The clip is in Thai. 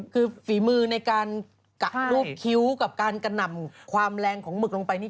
คือฝีมือในการกะรูปคิ้วกับการกระหน่ำความแรงของหมึกลงไปนี่